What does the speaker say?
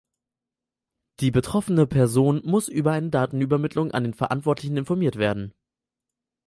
Die betroffene Person muss über eine Datenübermittlung an den Verantwortlichen informiert werden.